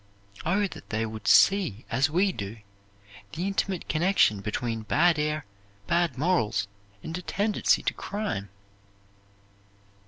Oh, that they would see, as we do, the intimate connection between bad air, bad morals, and a tendency to crime!